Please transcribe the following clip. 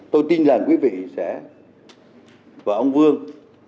tôi tin rằng quý vị sẽ và ông vương